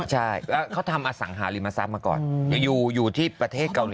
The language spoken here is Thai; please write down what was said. ใช่แล้วเขาทำอสังหาริมทรัพย์มาก่อนอยู่ที่ประเทศเกาหลี